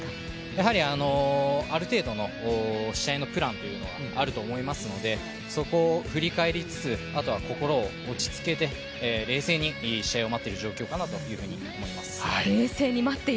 やはりある程度の試合のプランはあると思いますのでそこを振り返りつつ、あとは心を落ち着けて冷静に試合を待ってる状況かなと思います。